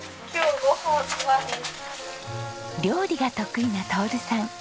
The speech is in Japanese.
料理が得意な徹さん。